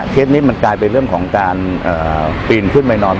เคสแบบนี้